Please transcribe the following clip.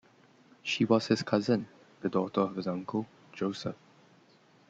She was his cousin, the daughter of his uncle, Joseph.